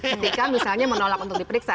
ketika misalnya menolak untuk diperiksa